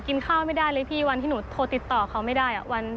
กินข้าวไม่ได้เลยพี่วันที่หนูโทรติดต่อเขาไม่ได้